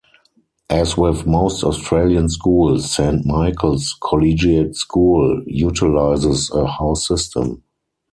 As with most Australian schools, Saint Michael's Collegiate School utilises a house system.